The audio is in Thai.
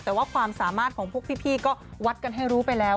แต่ว่าความสามารถของพวกพี่ก็วัดกันให้รู้ไปแล้ว